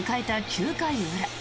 ９回裏。